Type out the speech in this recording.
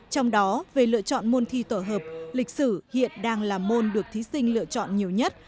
trong đó về lựa chọn môn thi tổ hợp lịch sử hiện đang là môn được thí sinh lựa chọn nhiều nhất